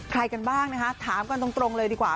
ใครกันบ้างนะคะถามกันตรงเลยดีกว่า